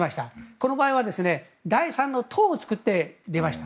この場合は第３の党を作って出ました。